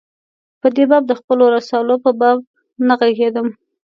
په دې باب د خپلو رسالو په باب نه ږغېږم.